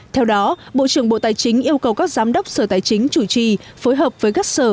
theo đó bộ trưởng bộ tài chính yêu cầu các giám đốc sở tài chính chủ trì phối hợp với các sở